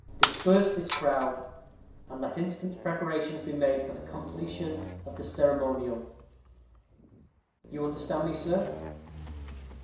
Disperse this crowd, and let instant preparations be made for the completion of the ceremonial. You understand me, sir."